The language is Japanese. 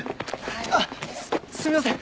あっすみません！